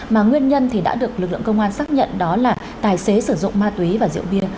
mà nguyên nhân thì đã được lực lượng công an xác nhận đó là tài xế sử dụng ma túy và rượu bia